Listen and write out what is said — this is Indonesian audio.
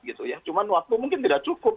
gitu ya cuma waktu mungkin tidak cukup